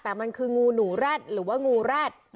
แต่มันคืองูหนูรัฐหรือว่างูรัช